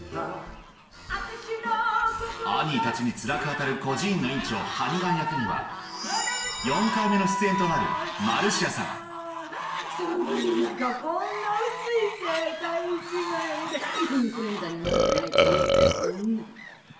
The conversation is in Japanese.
アニーたちにつらく当たる孤児院の院長ハニガン役には４回目の出演となるマルシアさん寒い中こんな薄いセーター１枚でインフルエンザになってないといいけどね。